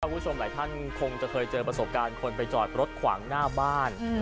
คุณผู้ชมหลายท่านคงจะเคยเจอประสบการณ์คนไปจอดรถขวางหน้าบ้าน